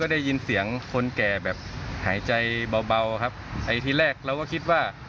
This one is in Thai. ได้ยินเสียงคนแก่แบบหายใจเบาครับไอ้ทีแรกเราก็คิดว่า